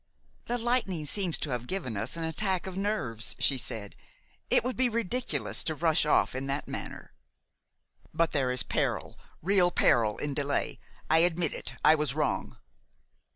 "The lightning seems to have given us an attack of nerves," she said. "It would be ridiculous to rush off in that manner " "But there is peril real peril in delay. I admit it. I was wrong."